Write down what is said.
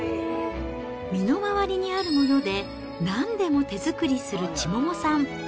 身の回りにあるもので、なんでも手作りする千桃さん。